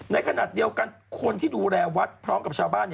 ในขณะเดียวกันคนที่ดูแลวัดพร้อมกับชาวบ้าน